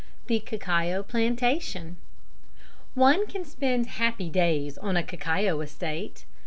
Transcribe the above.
The Cacao Plantation. One can spend happy days on a cacao estate.